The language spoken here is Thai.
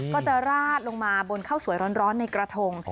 ก็จะราดลงมาบนข้าวสวยร้อนในกระทง